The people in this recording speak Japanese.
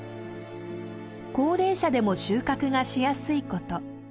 高齢者でも収穫がしやすいこと。